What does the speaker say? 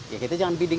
ya kita jangan bidding